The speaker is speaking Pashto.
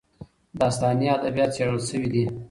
داستاني ادبیات څېړل سوي دي.